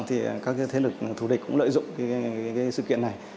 thì các thế lực thủ địch cũng lợi dụng cái sự kiện này